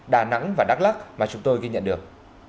đà nẵng và đắk lắc mà chúng tôi ghi nhận được